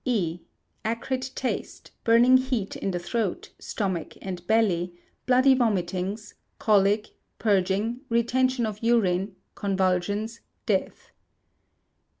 E. Acrid taste, burning heat in the throat, stomach, and belly, bloody vomitings, colic, purging, retention of urine, convulsions, death.